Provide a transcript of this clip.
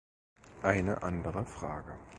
Eine andere Frage.